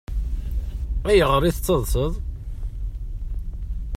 Ayɣer i tettaḍsaḍ?